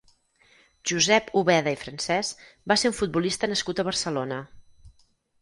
Josep Ubeda i Francés va ser un futbolista nascut a Barcelona.